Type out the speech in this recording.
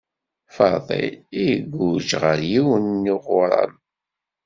Fadil iguǧǧ ɣer yiwen n uɣaram.